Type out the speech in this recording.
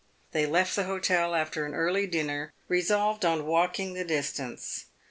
They left the hotel after an early dinner, resolved on walking the distance.